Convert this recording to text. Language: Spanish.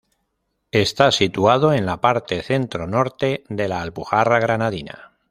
Está situado en la parte centro-norte de la Alpujarra Granadina.